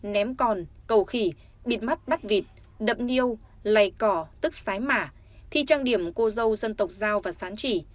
ném còn cầu khỉ bịt mắt bắt vịt đậm niêu lầy cỏ tức sái mả thi trang điểm cô dâu dân tộc giao và sán chỉ